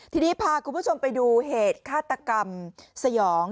ทีนี้พาคุณผู้ชมไปดูเหตุฆาตกรรมสยอง